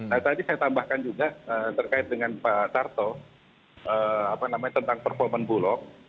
nah tadi saya tambahkan juga terkait dengan pak tarto tentang performa bulog